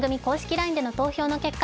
ＬＩＮＥでの投票の結果